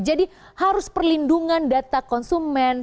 jadi harus perlindungan data konsumen